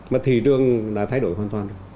mà thị trường đã thay đổi hoàn toàn